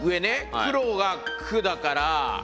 黒が「く」だから。